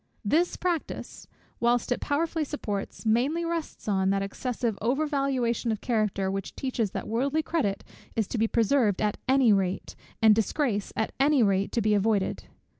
This practice, whilst it powerfully supports, mainly rests on, that excessive over valuation of character, which teaches that worldly credit is to be preserved at any rate, and disgrace at any rate to be avoided.